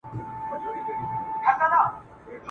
ماته راوړه په ګېډیو کي رنګونه ..